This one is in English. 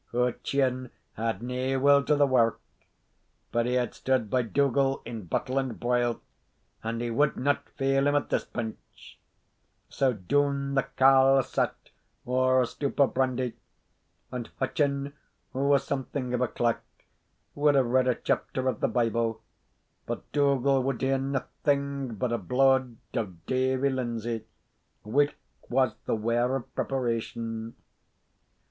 Hutcheon had nae will to the wark, but he had stood by Dougal in battle and broil, and he wad not fail him at this pinch; so doun the carles sat ower a stoup of brandy, and Hutcheon, who was something of a clerk, would have read a chapter of the Bible; but Dougal would hear naething but a blaud of Davie Lindsay, whilk was the waur preparation.